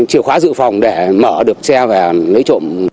chìa khóa dự phòng để mở được xe về lấy trộm